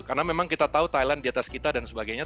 karena memang kita tahu thailand di atas kita dan sebagainya